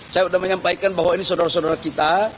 saya sudah menyampaikan bahwa ini saudara saudara kita